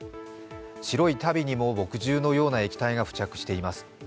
白い足袋にも、墨汁のような液体が付着しています。